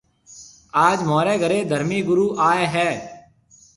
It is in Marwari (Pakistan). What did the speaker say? آج مهوريَ گهري ڌرمِي گُرو آئي هيَ۔